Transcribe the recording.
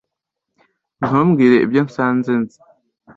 Ntumbwire ibyo nsanzwe nzi.